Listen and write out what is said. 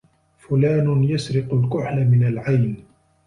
فلان يسرق الكحل من العين